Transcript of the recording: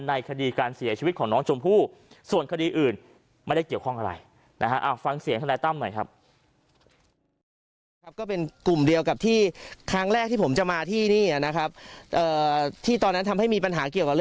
คดีการเสียชีวิตของน้องชมพู่ส่วนคดีอื่นไม่ได้เกี่ยวข้องอะไรนะฮะ